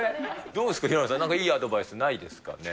どうですか、平野さん、なんかいいアドバイス、ないですかね？